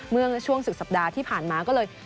เมื่อช่วงสุดสัปดาห์ที่ผ่านมาก็เลย